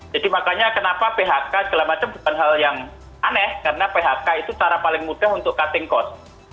jadi makanya kenapa phk dan segala macam bukan hal yang aneh karena phk itu cara paling mudah untuk cutting cost